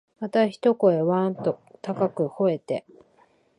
また一声、わん、と高く吠えて、